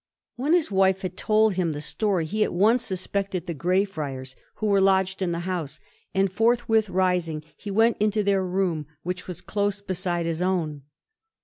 When his wife had told him the story, he at once suspected the Grey Friars who were lodged in the house, and forthwith rising, he went into their room, which was close beside his own.